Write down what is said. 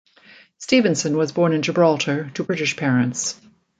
Stevenson was born in Gibraltar to British parents.